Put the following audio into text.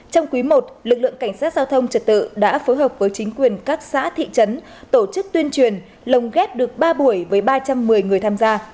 trong quý i lực lượng cảnh sát giao thông trật tự đã phối hợp với chính quyền các xã thị trấn tổ chức tuyên truyền lồng ghép được ba buổi với ba trăm một mươi người tham gia